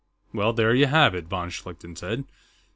"Well, there you have it," von Schlichten said.